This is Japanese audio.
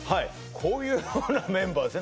こういうようなメンバーですね